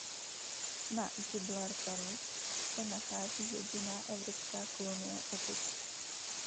Na Gibraltaru se nachází jediná evropská kolonie opic.